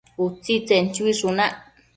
Utsitsen chuishunac